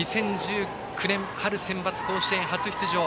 ２０１９年春センバツ甲子園初出場。